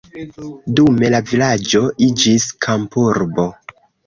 Dume la vilaĝo iĝis kampurbo.